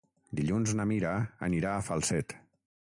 Dilluns na Mira anirà a Falset.